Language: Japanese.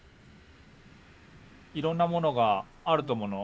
いろんなものがあると思うの。